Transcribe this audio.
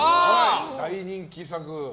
大人気作。